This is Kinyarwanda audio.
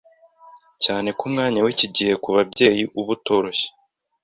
Cyane ko umwanya w'iki gihe ku bayeyi uba utoroshye,